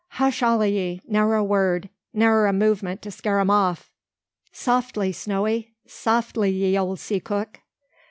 Hush all o' ye! Ne'er a word; ne'er a movement to scare 'em off. Softly, Snowy! Softly, ye ole sea cook."